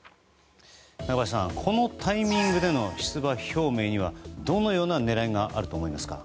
中林さんこのタイミングでの出馬表明にはどのような狙いがあると思いますか？